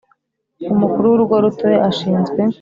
Umukuru w Urugo Rutoya ashinzwe